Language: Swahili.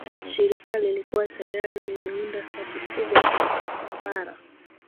shirika lilikuwa tayari limeunda safu kubwa za mabara